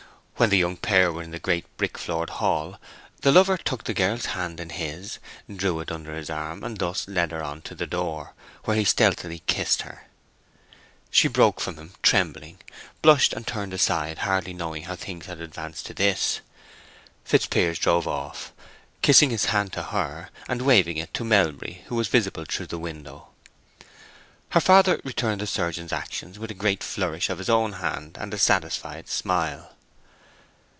When the young pair were in the great brick floored hall the lover took the girl's hand in his, drew it under his arm, and thus led her on to the door, where he stealthily kissed her. She broke from him trembling, blushed and turned aside, hardly knowing how things had advanced to this. Fitzpiers drove off, kissing his hand to her, and waving it to Melbury who was visible through the window. Her father returned the surgeon's action with a great flourish of his own hand and a satisfied smile.